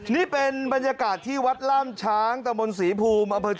นี่เป็นบรรยากาศที่วัดล่ามช้างตะมนต์ศรีภูมิ